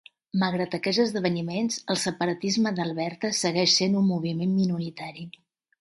Malgrat aquests esdeveniments, el separatisme d'Alberta segueix sent un moviment minoritari.